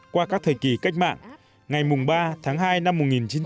qua các thời kỳ cách mạng ngày mùng ba tháng hai năm một nghìn chín trăm ba mươi